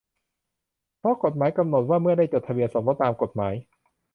เพราะกฎหมายกำหนดว่าเมื่อได้จดทะเบียนสมรสตามกฎหมาย